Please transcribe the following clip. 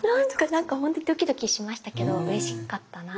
何かほんとドキドキしましたけどうれしかったな。